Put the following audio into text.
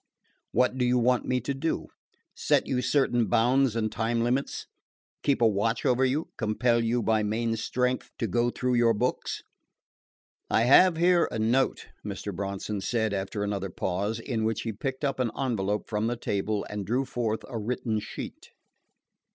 What do you want me to do? Set you certain bounds and time limits? Keep a watch over you? Compel you by main strength to go through your books? "I have here a note," Mr. Bronson said after another pause, in which he picked up an envelop from the table and drew forth a written sheet.